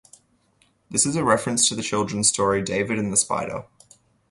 This is a reference to the children's story "David and the Spider"